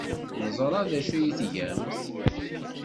Neẓra d acu ay tgamt.